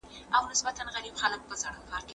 که موږ یو ځای شو، نو بریالي به شو.